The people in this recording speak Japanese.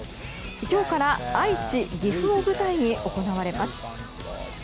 今日から愛知、岐阜を舞台に行われます。